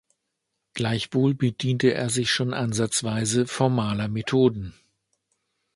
Gleichwohl bediente er sich schon ansatzweise formaler Methoden.